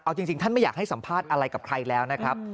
เอาจริงท่านไม่อยากให้สัมภาษณ์อะไรกับใครแล้วนะครับ